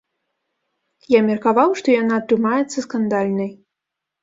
Я меркаваў, што яна атрымаецца скандальнай.